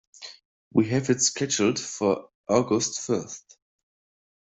We have it scheduled for August first.